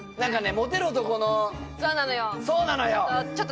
モテる男のそうなのよ